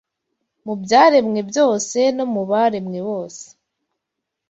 Mu byaremwe byose no mu baremwe bose